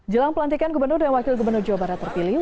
jelang pelantikan gubernur dan wakil gubernur jawa barat terpilih